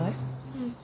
うん。